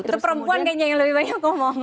itu perempuan kayaknya yang lebih banyak ngomong